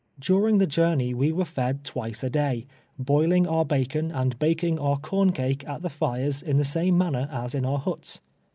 During the journey we were fed twice a day, boiling our bacon and baking our corn cake at the fires in the same manner as in our huts.